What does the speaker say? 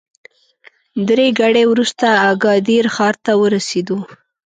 درې ګړۍ وروسته اګادیر ښار ته ورسېدو.